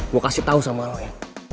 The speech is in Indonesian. gue kasih tau sama lo ya